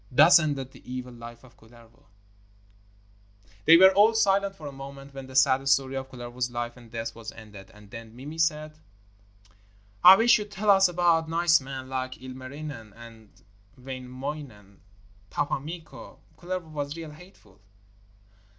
Thus ended the evil life of Kullervo. They were all silent for a moment when the sad story of Kullervo's life and death was ended, and then Mimi said: 'I wish you'd tell us about nice men like Ilmarinen and Wainamoinen, Pappa Mikko; Kullervo was real hateful.'